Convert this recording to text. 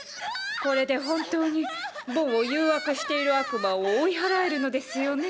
これで本当にボンを誘惑している悪魔を追い祓えるのですよね？